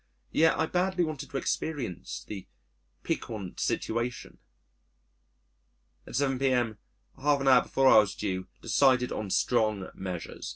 Yet I badly wanted to experience the piquant situation. At 7 p.m., half an hour before I was due, decided on strong measures.